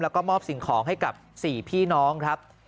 แล้วก็มอบสิ่งของให้กับ๔พี่น้องครับ